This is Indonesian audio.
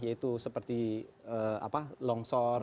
yaitu seperti longshore